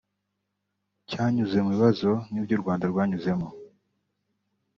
cyanyuze mu bibazo nk’ibyo u Rwanda rwanyuzemo